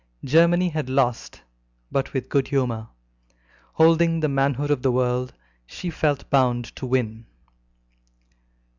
Germany had lost, but with good humour; holding the manhood of the world, she felt bound to win.